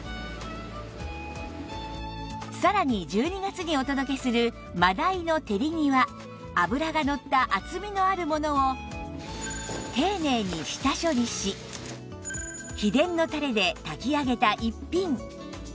さらに１２月にお届けする真鯛の照り煮は脂がのった厚みのあるものを丁寧に下処理し秘伝のタレで炊き上げた逸品